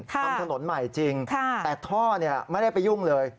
ทำถนนใหม่จริงแต่ท่อไม่ได้ไปยุ่งเลย